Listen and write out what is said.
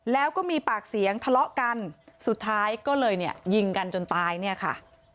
แล้วก็มีปากเสียงทะเลาะกันสุดท้ายก็เลยเนี่ยยิงกันจนตายเนี่ยค่ะ